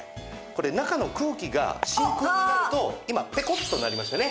これ中の空気が真空になると今ペコッとなりましたね。